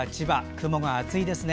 雲が厚いですね。